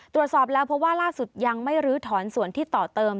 ตรวจสอบแล้วเพราะว่าล่าสุดยังไม่ลื้อถอนส่วนที่ต่อเติม